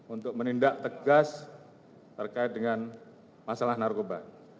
untuk menindak tegas terkait dengan masalah narkoba